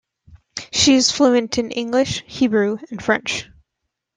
She is fluent in English, Hebrew and French.